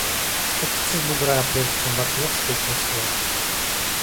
скатиться с бугра, прежде чем в окне вспыхнул свет.